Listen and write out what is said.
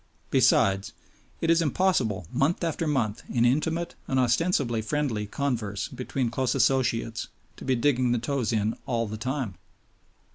Besides, it is impossible month after month in intimate and ostensibly friendly converse between close associates, to be digging the toes in all the time.